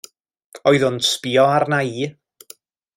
Oedd o'n sbïo arna i.